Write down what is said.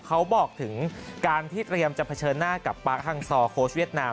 เขาบอกถึงการที่เตรียมจะเผชิญหน้ากับปาร์คฮังซอร์โค้ชเวียดนาม